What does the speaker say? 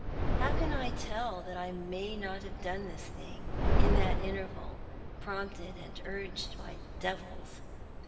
How can I tell that I may not have done this thing, in that interval, prompted and urged by devils